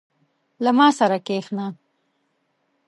• له ما سره کښېنه.